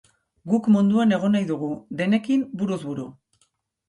Guk munduan egon nahi dugu, denekin buruz buru.